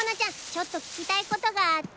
ちょっと聞きたいことがあって。